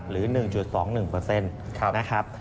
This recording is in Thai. หรือ๑๒๑เปอร์เซ็นต์